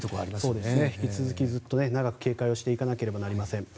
引き続き、ずっと長く警戒しなければなりません。